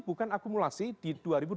bukan akumulasi di dua ribu dua puluh